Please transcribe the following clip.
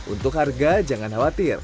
untuk harga jangan khawatir